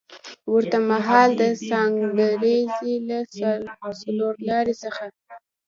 ورته مهال د ستانکزي له څلورلارې څخه